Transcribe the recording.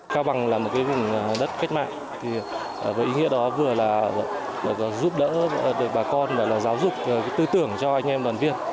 cao bằng là một nơi khách mạng với ý nghĩa đó vừa là giúp đỡ bà con giáo dục tư tưởng cho anh em đoàn viên